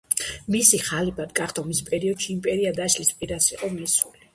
მისი ხალიფად გახდომის პერიოდში იმპერია დაშლის პირას იყოს მისული.